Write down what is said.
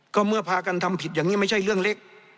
ก็เมื่อพากันทำผิดอย่างนี้ไม่ใช่เรื่องเล็ก